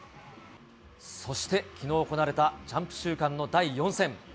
そしてきのう行われたジャンプ週間の第４戦。